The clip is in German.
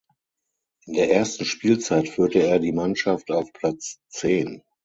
In der ersten Spielzeit führte er die Mannschaft auf Platz zehn.